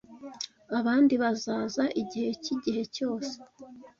Abandi bazaza igihe cyigihe cyose.